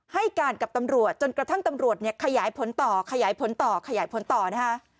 ให้การกับตำรวจจนกระทั่งตำรวจเนี่ยขยายผลต่อขยายผลต่อขยายผลต่อนะคะ